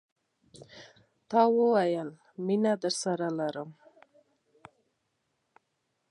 تا ويل، میینه درسره لرم